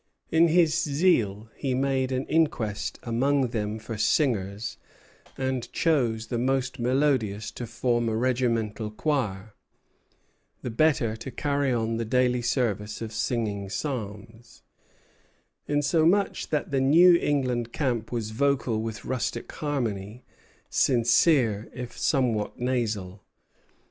In his zeal, he made an inquest among them for singers, and chose the most melodious to form a regimental choir, "the better to carry on the daily service of singing psalms;" insomuch that the New England camp was vocal with rustic harmony, sincere, if somewhat nasal.